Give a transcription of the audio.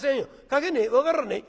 「描けねえ？分からねえ？